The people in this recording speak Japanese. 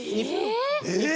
えっ？